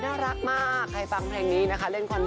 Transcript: นะคะแล้วก็ต้องมีไม้คาถาเสกด้วยค่ะ